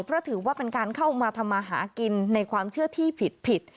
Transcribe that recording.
เพราะถือว่าเป็นการเข้ามาทำมาหากินในความเชื่อที่ผิด